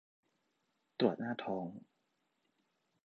ตรวจหน้าท้อง